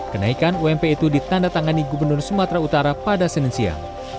kenaikan ump itu ditanda tangani gubernur sumatera utara pada senin siang